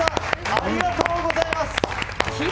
ありがとうございます。